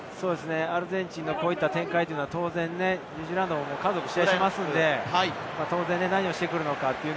アルゼンチンのこういった展開はニュージーランドも何度も試合をしていますので、何をしてくるのか？